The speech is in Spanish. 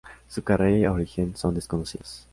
Su carrera y origen son desconocidos.